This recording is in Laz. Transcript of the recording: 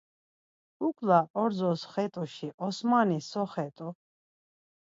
Kukla ordzos xet̆uşi Osmani so xet̆u?